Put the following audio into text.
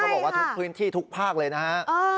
บอกว่าทุกพื้นที่ทุกภาคเลยนะฮะ